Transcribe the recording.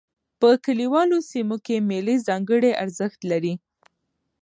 په کلیوالو سیمو کښي مېلې ځانګړی ارزښت لري.